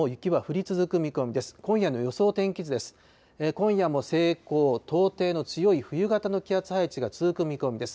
今夜も西高東低の強い冬型の気圧配置が続く見込みです。